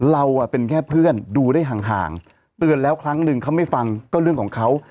เราเป็นแค่เพื่อนดูได้ห่างเตือนแล้วครั้งหนึ่งเขาไม่ฟังก็เรื่องของเขา